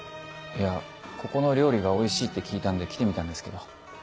いやここの料理がおいしいって聞いたんで来てみたんですけど。